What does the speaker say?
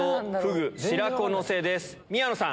宮野さん